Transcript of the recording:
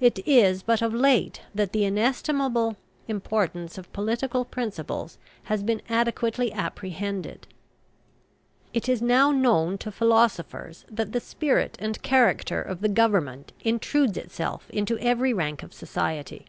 It is but of late that the inestimable importance of political principles has been adequately apprehended. It is now known to philosophers that the spirit and character of the Government intrudes itself into every rank of society.